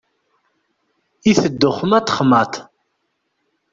Iteddu xmat, xmat.